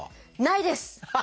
ないです！